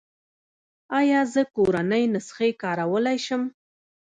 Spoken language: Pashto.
ایا زه کورنۍ نسخې کارولی شم؟